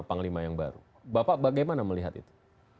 panglima yang baru bapak bagaimana melihat itu